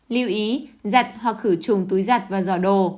lưu ý giặt hoặc khử trùng túi giặt và giỏ đồ